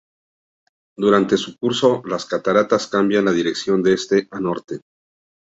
Durante su curso las cataratas cambian la dirección de este a norte.